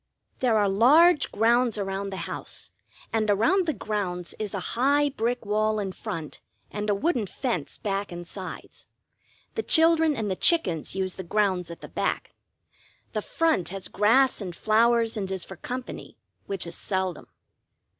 There are large grounds around the house, and around the grounds is a high brick wall in front and a wooden fence back and sides. The children and the chickens use the grounds at the back; the front has grass and flowers, and is for company, which is seldom.